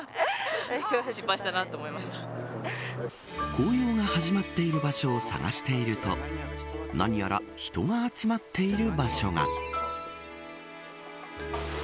紅葉が始まっている場所を探していると何やら人が集まっている場所が。